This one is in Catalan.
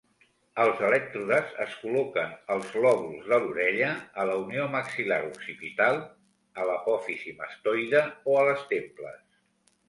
Els elèctrodes es col·loquen als lòbuls de l"orella, a la unió maxil·lar-occipital, a l'apòfisi mastoide o a les temples.